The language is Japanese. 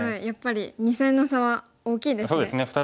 やっぱり２線の差は大きいですね。